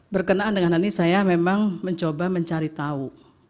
berkenaan dengan ini saya memang mencoba mencari tahu